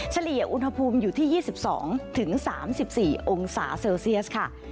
เฉลี่ยอุณหภูมิอยู่ที่๒๒๓๔องศาเซลเซียสค่ะ